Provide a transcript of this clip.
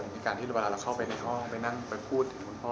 ในการที่เวลาเราเข้าไปในห้องไปนั่งไปพูดถึงคุณพ่อ